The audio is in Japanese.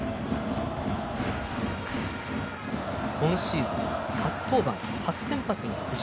今シーズン初登板、初先発の藤井。